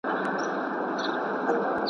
زه چي پر مخ زلفي لرم بل به یارکړمه..